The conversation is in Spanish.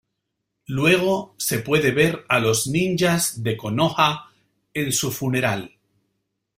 Luego se puede ver a los ninjas de Konoha en su funeral.